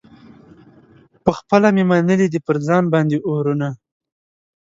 پخپله مي منلي دي پر ځان باندي اورونه